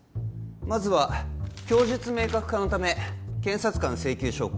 まずは供述明確化のため検察官請求証拠